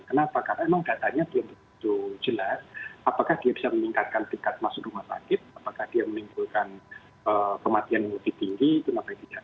kenapa karena memang datanya belum begitu jelas apakah dia bisa meningkatkan tingkat masuk rumah sakit apakah dia menimbulkan kematian yang lebih tinggi kenapa tidak